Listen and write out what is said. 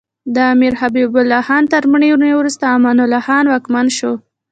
د امیر حبیب الله خان تر مړینې وروسته امان الله خان واکمن شو.